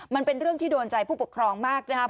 มันเป็นเรื่องที่โดนใจผู้ปกครองมากนะครับ